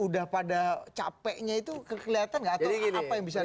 sudah pada capeknya itu kelihatan gak atau apa yang bisa dibaca itu bang andre